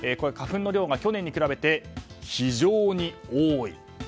花粉の量が去年と比べて非常に多い。